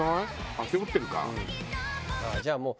あっ背負ってるか。